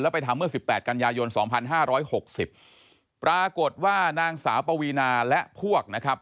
แล้วไปทำเมื่อ๑๘กันยายน๒๕๖๐ปรากฏว่านางสาวปวีนาและพวกนะครับ